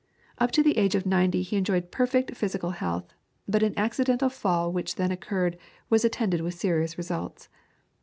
Up to the age of ninety he enjoyed perfect physical health, but an accidental fall which then occurred was attended with serious results.